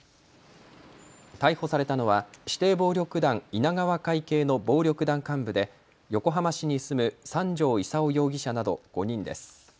逮捕されたのは指定暴力団稲川会系の暴力団幹部で横浜市に住む三條功容疑者など５人です。